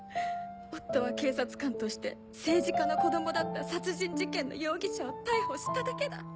夫は警察官として政治家の子供だった殺人事件の容疑者を逮捕しただけだ。